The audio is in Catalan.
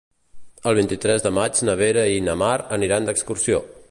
El vint-i-tres de maig na Vera i na Mar aniran d'excursió.